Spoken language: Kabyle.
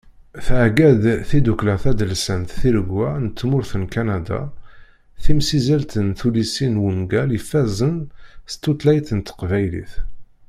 Thegga-d tiddukla tadelsant Tiregwa n tmurt n Kanada timsizzelt n tullisin d wungal ifazen s tutlayt n teqbaylit